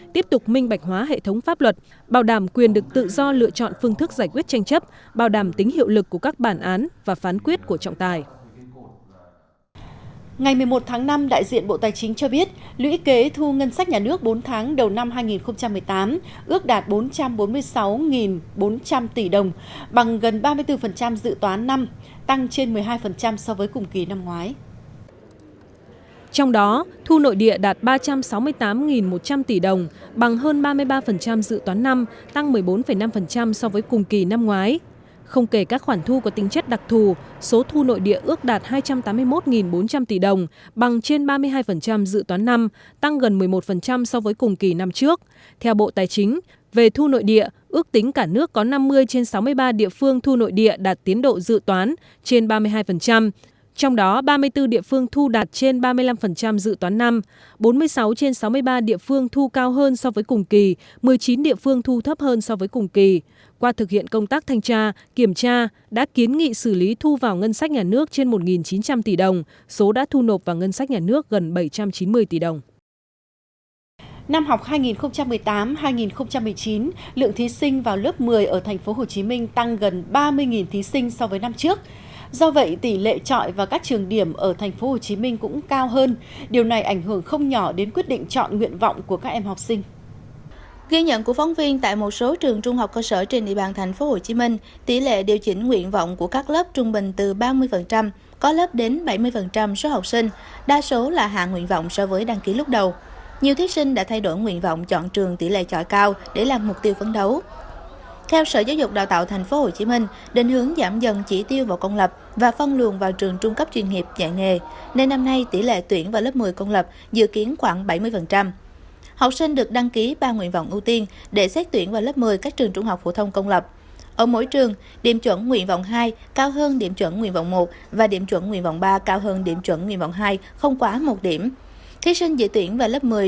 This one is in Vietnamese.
kỳ thi tay nghề quốc gia sẽ tuyển chọn ra các thí sinh xuất sắc để thành lập đội tuyển quốc gia tham dự kỳ thi tay nghề asean lần thứ một mươi hai tổ chức tại thái lan vào tháng chín năm hai nghìn một mươi tám và kỳ thi tay nghề thế giới lần thứ bốn mươi năm tại kazan liên bang nga năm hai nghìn một mươi chín